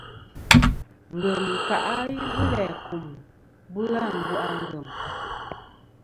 Ngem ka i bu læ kum bula àmbu' a ngèm.